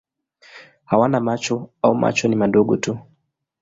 Hawana macho au macho ni madogo tu.